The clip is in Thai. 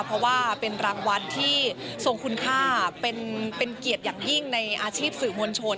เพราะว่าเป็นรางวัลที่ทรงคุณค่าเป็นเกียรติอย่างยิ่งในอาชีพสื่อมวลชน